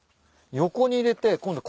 横に入れて今度